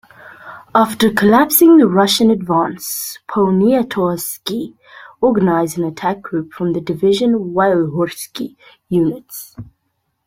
After collapsing the Russian advance, Poniatowski organised an attack group from division Wielhorski units.